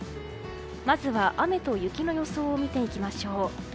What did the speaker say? まずは雨と雪の予想を見ていきましょう。